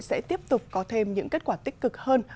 sẽ tiếp tục có thêm những kết quả tích cực hơn